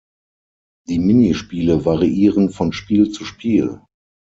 Die Minispiele variieren von Spiel zu Spiel.